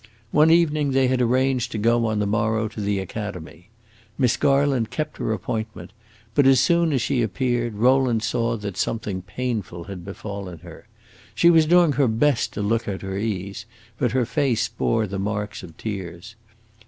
One evening they had arranged to go on the morrow to the Academy. Miss Garland kept her appointment, but as soon as she appeared, Rowland saw that something painful had befallen her. She was doing her best to look at her ease, but her face bore the marks of tears.